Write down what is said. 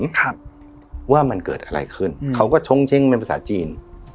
ครับว่ามันเกิดอะไรขึ้นอืมเขาก็ชงเช้งเป็นภาษาจีน